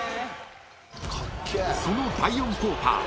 ［その第４クォーター］